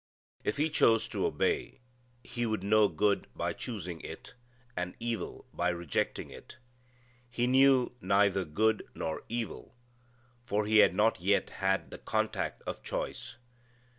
If he chose to obey he would know good by choosing it, and evil by rejecting it. He knew neither good nor evil, for he had not yet had the contact of choice.